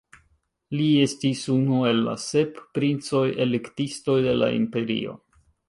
Li estis unu el la sep princoj-elektistoj de la imperio.